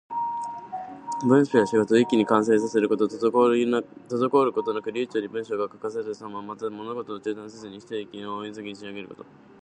文章や仕事を一気に完成させること。滞ることなく流暢に文章が書かれているさま。また、物事を中断せずに、ひと息に大急ぎで仕上げること。